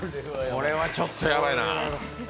これはちょっとヤバいな。